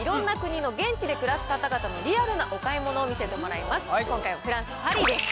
毎週世界各地を飛び回っていろんな国の現地で暮らす方々のリアルなお買い物を見せてもらいます。